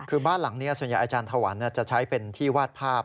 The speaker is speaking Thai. คือบ้านหลังนี้ส่วนใหญ่อาจารย์ถวันจะใช้เป็นที่วาดภาพ